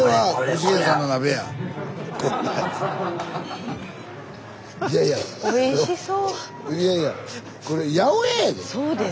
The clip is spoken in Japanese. スタジオいやいやこれ八百屋やで！